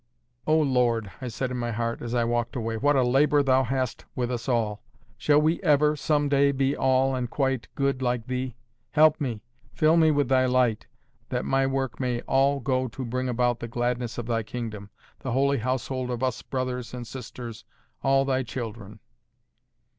"O Lord," I said in my heart, as I walked away, "what a labour Thou hast with us all! Shall we ever, some day, be all, and quite, good like Thee? Help me. Fill me with Thy light, that my work may all go to bring about the gladness of Thy kingdom—the holy household of us brothers and sisters—all Thy children."